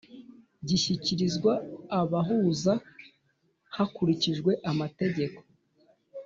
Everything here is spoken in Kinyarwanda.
Gishyikirizwa abahuza hakurikijwe amategeko